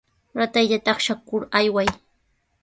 Ratayta taqshakuq aywaa.